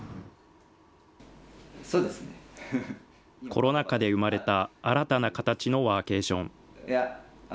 コロナ禍で生まれた新たな形のワーケーション。